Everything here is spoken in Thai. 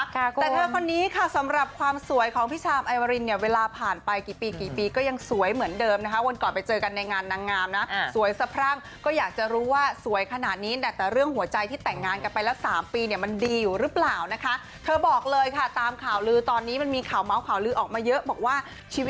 แต่เธอคนนี้ค่ะสำหรับความสวยของพี่ชามไอวารินเนี่ยเวลาผ่านไปกี่ปีกี่ปีก็ยังสวยเหมือนเดิมนะคะวันก่อนไปเจอกันในงานนางงามนะสวยสะพรั่งก็อยากจะรู้ว่าสวยขนาดนี้แต่เรื่องหัวใจที่แต่งงานกันไปแล้วสามปีเนี่ยมันดีอยู่หรือเปล่านะคะเธอบอกเลยค่ะตามข่าวลือตอนนี้มันมีข่าวเมาส์ข่าวลือออกมาเยอะบอกว่าชีวิต